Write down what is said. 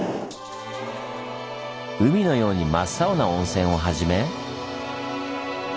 海のように真っ青な温泉をはじめ。